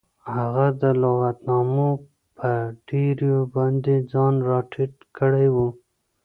هغه د لغتنامو په ډیریو باندې ځان راټیټ کړی و